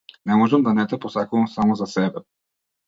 Не можам да не те посакувам само за себе!